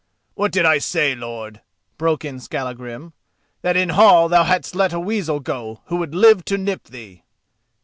"What did I say, lord?" broke in Skallagrim—"that in Hall thou hadst let a weasel go who would live to nip thee?"